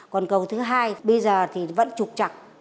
còn cầu thứ hai bây giờ thì vẫn trục chặt